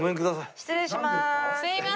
失礼します。